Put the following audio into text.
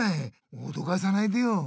おどかさないでよ。